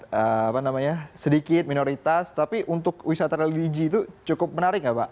sangat apa namanya sedikit minoritas tapi untuk wisata religi itu cukup menarik gak pak